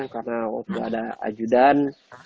karena waktu ada ajudan